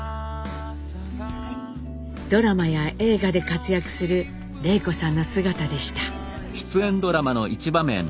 ドラマや映画で活躍する礼子さんの姿でした。